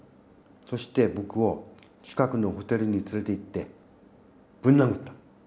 そして、僕を近くのホテルに連れて行って、ぶん殴った。